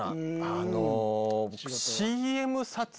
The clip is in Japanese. あの僕。